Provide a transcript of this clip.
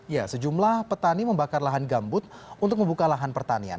ya sejumlah petani membakar lahan gambut untuk membuka lahan pertanian